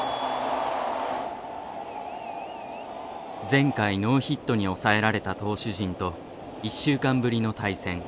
前回ノーヒットに抑えられた投手陣と１週間ぶりの対戦。